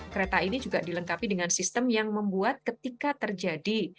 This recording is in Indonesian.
kereta ini juga dilengkapi dengan sistem yang membuat ketika terjadi